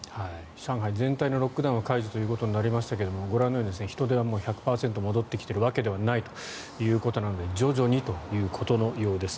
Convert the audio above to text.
上海全体のロックダウンは解除となりましたがご覧のように人出は１００％戻ってきているわけではないので徐々にということのようです。